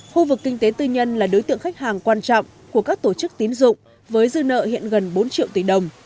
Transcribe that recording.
khu vực kinh tế tư nhân là đối tượng khách hàng quan trọng của các tổ chức tín dụng với dư nợ hiện gần bốn triệu tỷ đồng